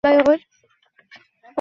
কুরাইশদের পরাজয়ে তার অশ্রু ঝরে।